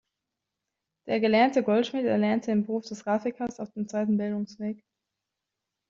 Der gelernte Goldschmied erlernte den Beruf des Grafikers auf dem zweiten Bildungsweg.